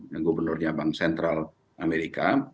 yang gubernurnya bank sentral amerika